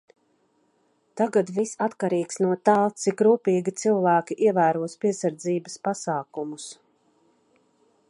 Tagad viss atkarīgs no tā, cik rūpīgi cilvēki ievēros piesardzības pasākumus.